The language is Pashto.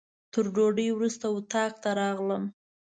تر ډوډۍ وروسته اتاق ته راغلم.